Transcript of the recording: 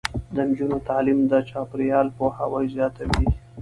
د نجونو تعلیم د چاپیریال پوهاوی زیاتوي.